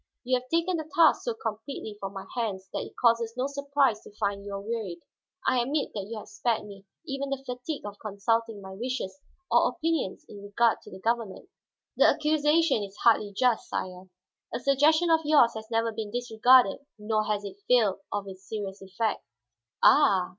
You have taken the task so completely from my hands that it causes no surprise to find you are wearied. I admit that you have spared me even the fatigue of consulting my wishes or opinions in regard to the government." "The accusation is hardly just, sire. A suggestion of yours has never been disregarded nor has it failed of its serious effect." "Ah?"